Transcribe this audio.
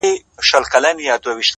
شکر دی گراني چي زما له خاندانه نه يې-